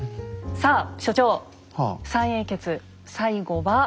さあ所長三英傑最後は。